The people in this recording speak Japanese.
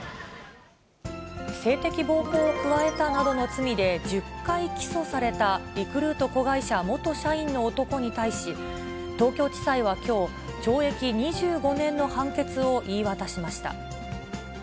性的暴行を加えたなどの罪で１０回起訴された、リクルート子会社元社員の男に対し、東京地裁はきょう、懲役２５年の判決を言い渡しました。